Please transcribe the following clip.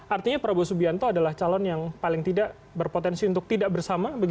artinya prabowo subianto adalah calon yang paling tidak berpotensi untuk tidak bersama